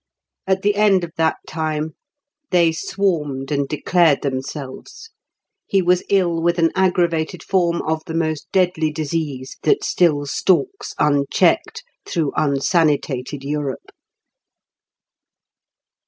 At the end of that time, they swarmed and declared themselves. He was ill with an aggravated form of the most deadly disease that still stalks unchecked through unsanitated Europe.